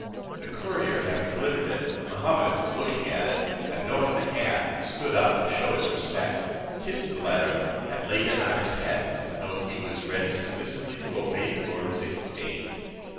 The courier having delivered it, Mahummud looking at it, and knowing the hand, stood up to shew his respect, kissed the letter, and laid it on his head, to denote he was ready submissively to obey the orders it contained.